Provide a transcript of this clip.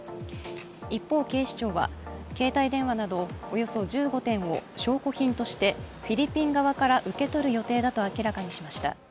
一方、警視庁は携帯電話などおよそ１５点を証拠品としてフィリピン側から受け取る予定だと明らかにしました。